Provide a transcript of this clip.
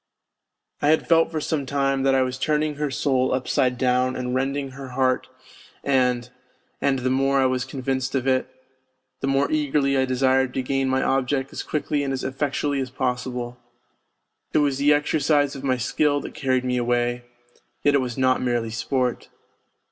I had felt for some time that I was turning her soul upside down and rending her heart, and and the more I was convinced of it, the more eagerly I desired to gain my object as quickly and as effectually as possible. It was the exercise of my skill that carried me away; yet it was not merely sport.